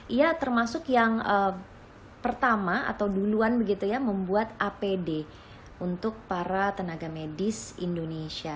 ia termasuk yang pertama atau duluan begitu ya membuat apd untuk para tenaga medis indonesia